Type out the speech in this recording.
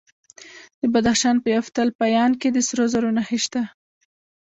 د بدخشان په یفتل پایان کې د سرو زرو نښې شته.